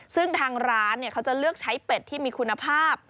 ซึ่งทางร้านเขาจะเลือกใช้เป็ดที่มีคุณภาพ